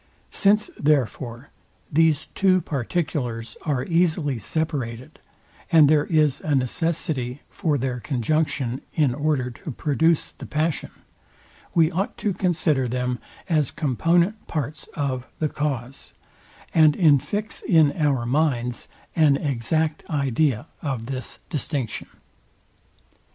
Since, therefore, these two particulars are easily separated and there is a necessity for their conjunction, in order to produce the passion, we ought to consider them as component parts of the cause; and infix in our minds an exact idea of this distinction.